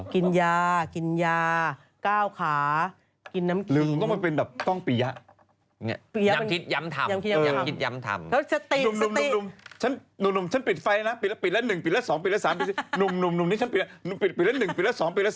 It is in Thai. ปิดแล้ว๑ปิดแล้ว๒ปิดแล้ว๓